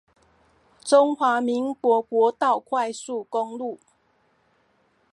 中華民國國道快速公路